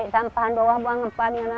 nyari sampahan bawah buang sampah di anaknya